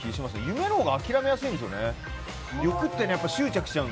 夢のほうが諦めやすいんですよね。